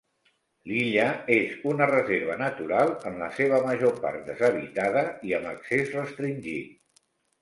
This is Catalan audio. L'illa és una reserva natural en la seva major part deshabitada i amb accés restringit.